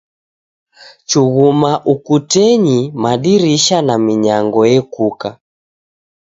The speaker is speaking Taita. Chughuma ukutenyi, madirisha na minyango ekuka.